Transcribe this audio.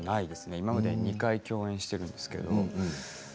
今までに２回共演しているんですけど。